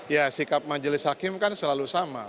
ya sikap majelis hakim kan selalu sama